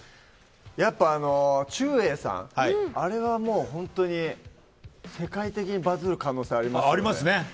やっぱちゅうえいさん、あれはもう本当に世界的にバズる可能性ありますね。